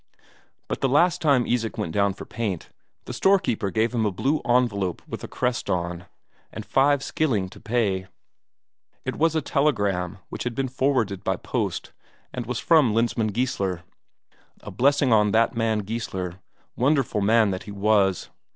But the last time Isak went down for paint, the storekeeper gave him a blue envelope with a crest on, and 5 skilling to pay. It was a telegram which had been forwarded by post, and was from Lensmand Geissler. A blessing on that man Geissler, wonderful man that he was!